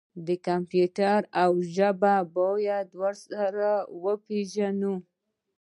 کمپیوټر او ژبه باید سره وپیژني.